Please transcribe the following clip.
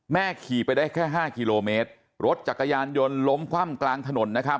ขี่ไปได้แค่ห้ากิโลเมตรรถจักรยานยนต์ล้มคว่ำกลางถนนนะครับ